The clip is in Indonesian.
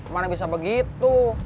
mana bisa begitu